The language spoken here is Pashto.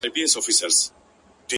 o زه خو دا يم ژوندی يم،